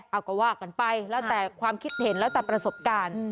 เอาก็ว่ากันไปแล้วแต่ความคิดเห็นแล้วแต่ประสบการณ์